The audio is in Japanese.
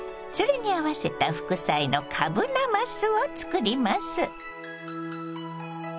それに合わせた副菜のかぶなますを作ります。